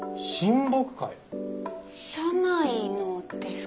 社内のですか？